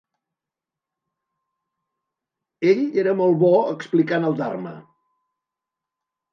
Ell era molt bo explicant el "dharma".